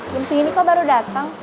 bersih ini kok baru datang